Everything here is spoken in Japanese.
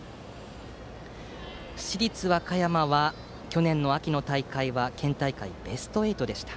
市立和歌山は去年の秋の大会は県大会ベスト８でした。